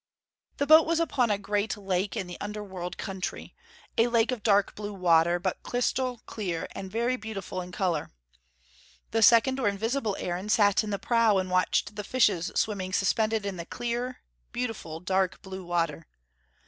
The boat was upon a great lake in the underworld country, a lake of dark blue water, but crystal clear and very beautiful in colour. The second or invisible Aaron sat in the prow and watched the fishes swimming suspended in the clear, beautiful dark blue water.